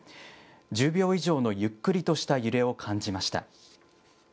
１０秒以上のゆっくりとした揺れを感じました。